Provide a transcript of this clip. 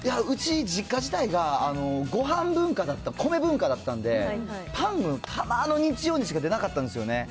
うち、実家自体がごはん文化だった、米文化だったんで、パンはたまの日曜にしか出なかったんですよね。